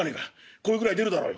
声ぐらい出るだろうよ。